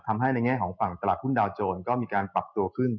ทำให้ในแง่ของฝั่งตลาดหุ้นดาวโจรก็มีการปรับตัวขึ้น